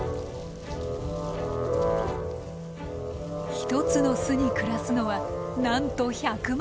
１つの巣に暮らすのはなんと１００万匹。